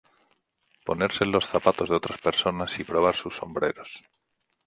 Ponerse en los zapatos de otras personas, y "probar sus sombreros"".